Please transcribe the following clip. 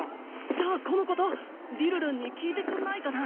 じゃあこのことりるるんに聞いてくんないかな？